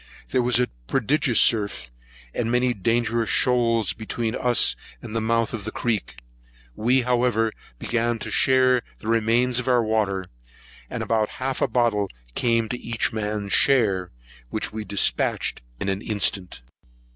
There was a prodigious surf, and many dangerous shoals, between us and the mouth of the creek; we, however, began to share the remains of our water, and about half a bottle came to each man's share, which we dispatched in an instant.